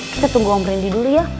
kita tunggu om randy dulu ya